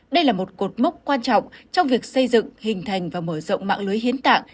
đây là một cột mốc quan trọng trong việc xây dựng hình thành và mở rộng mạng lưới hiến tạng